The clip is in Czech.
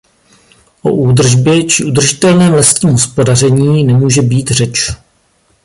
O údržbě či udržitelném lesním hospodaření nemůže být řeč.